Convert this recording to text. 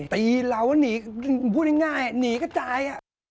ตีเรานี่ดูง่ายถ้านี้ก็จ่าย